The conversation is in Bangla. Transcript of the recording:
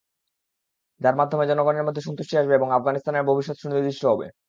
যার মাধ্যমে জনগণের মধ্যে সন্তুষ্টি আসবে এবং আফগানিস্তানের ভবিষ্যৎ সুনির্দিষ্ট হবে।